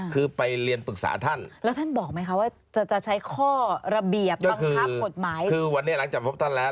คือวันนี้หลังจากพบท่านแล้ว